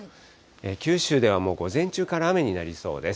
九州ではもう午前中から雨になりそうです。